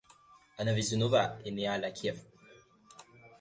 Anna Bessonova est née le à Kiev.